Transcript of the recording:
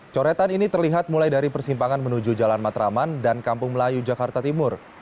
coretan ini terlihat mulai dari persimpangan menuju jalan matraman dan kampung melayu jakarta timur